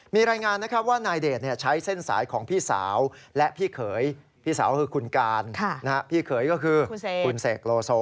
มีรายงานนะครับว่านายเดชใช้เส้นสายของพี่สาวและพี่เขยพี่สาวคือคุณการพี่เขยก็คือคุณเสกโลโซ